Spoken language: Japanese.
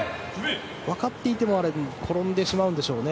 わかっていても転んでしまうんでしょうね。